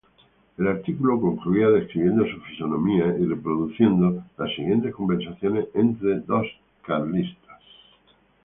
El artículo concluía describiendo su fisonomía y reproduciendo la siguiente conversación entre dos carlistas.